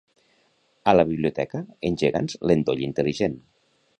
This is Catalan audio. A la biblioteca, engega'ns l'endoll intel·ligent.